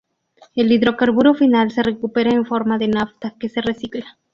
El hidrocarburo final se recupera en forma de nafta, que se recicla.